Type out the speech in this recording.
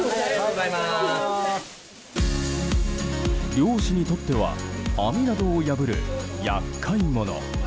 漁師にとっては網などを破る厄介者。